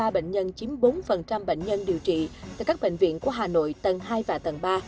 hai bảy trăm linh ba bệnh nhân chiếm bốn bệnh nhân điều trị tại các bệnh viện của hà nội tầng hai và tầng ba